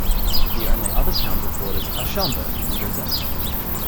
The only other towns it borders are Schaumburg and Roselle.